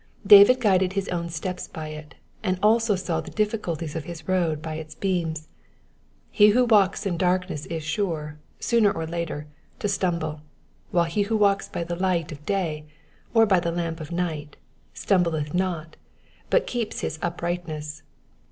David guided his own steps by it, and also saw the difiicuUies of his road by its beams. He who walks in darkness is sure, sooner or later, to stumble ; while he who walks by the light of day, or by the lamp of night, stumbleth not, but keeps his uprightness.